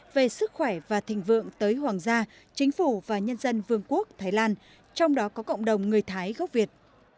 về sức khỏe và thịnh vượng tới hoàng gia chính phủ và nhân dân vương quốc thái lan trong đó có cộng đồng người thái gốc việt